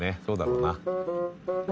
そうだろうな。